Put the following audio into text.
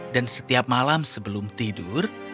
dan setiap malam sebelum tidur